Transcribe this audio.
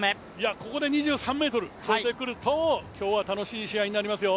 ここで２３ｍ飛んでくると、今日は楽しい試合になりますよ